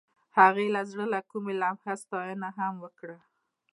هغې د زړه له کومې د لمحه ستاینه هم وکړه.